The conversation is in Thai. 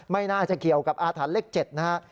ไม่น่าจะเกี่ยวกับอาถรรพ์เลข๗นะฮะ